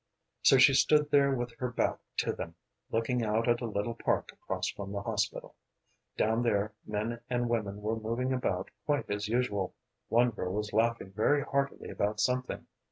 So she stood there with her back to them, looking out at a little park across from the hospital. Down there, men and women were moving about quite as usual; one girl was laughing very heartily about something.